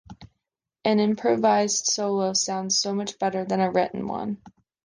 An improvised solo sounds so much better than a written one.